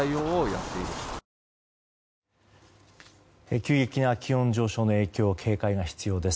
急激な気温上昇の影響に警戒が必要です。